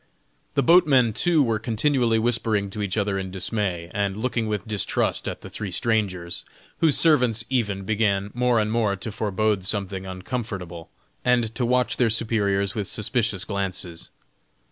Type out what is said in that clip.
The boatmen too were continually whispering to each other in dismay, and looking with distrust at the three strangers, whose servants even began more and more to forebode something uncomfortable, and to watch their superiors with suspicious glances.